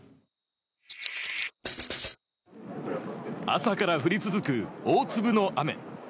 朝から降り続く大粒の雨。